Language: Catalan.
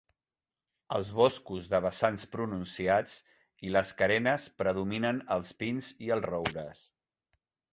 Als boscos de vessants pronunciats i les carenes predominen els pins i els roures.